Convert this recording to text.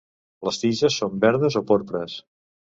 Les tiges són verdes o porpres.